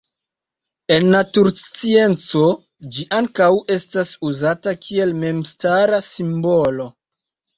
En naturscienco ĝi ankaŭ estas uzata kiel memstara simbolo.